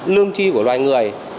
lương tri của loài người